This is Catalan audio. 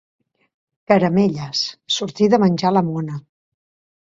Caramelles, sortida a menjar la mona.